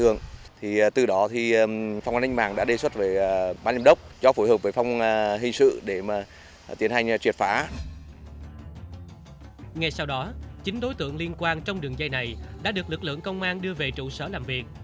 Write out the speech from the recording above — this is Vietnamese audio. ngay sau đó chín đối tượng liên quan trong đường dây này đã được lực lượng công an đưa về trụ sở làm việc